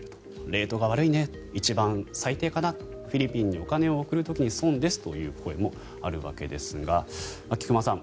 レートが低いね一番最低かなフィリピンにお金を送る時に損ですという声もあるわけですが菊間さん